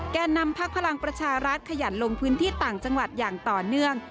แก่นำพักพลังประชารัฐขยันลงพื้นที่ต่างจังหวัดอย่างต่อเนื่อง